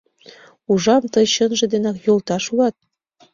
Ужам, тый чынже денак йолташ улат.